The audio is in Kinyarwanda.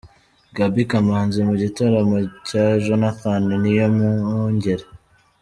Gaby Kamanzi mu gitaramo cya Jonathan Niyomwungere.